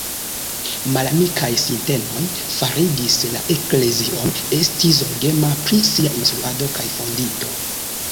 Malamikaj sintenoj farigis la eklezion esti zorgema pri sia instruado kaj fondinto.